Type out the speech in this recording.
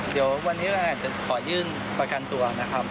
เดี๋ยววันนี้เราอาจจะขอยื่นประกันตัวนะครับ